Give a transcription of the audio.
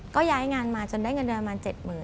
ก็ย้ายงานมาจนได้เงินเดือนมา๗๐๐๐๐บาท